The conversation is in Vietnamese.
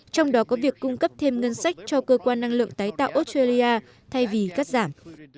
trong đó có việc cung cấp thêm ngân sách cho cơ quan năng lượng tái tạo australia thay vì cắt giảm